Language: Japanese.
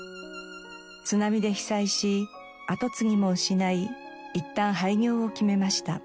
津波で被災し後継ぎも失いいったん廃業を決めました。